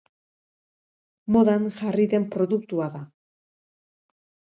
Modan jarri den produktua da.